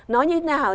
nói như thế nào